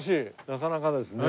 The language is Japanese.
なかなかですね。